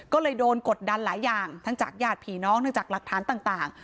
ก็เลยโดนกดดันหลายอย่างทั้งจากญาติผีน้องทั้งจากหลักฐานต่าง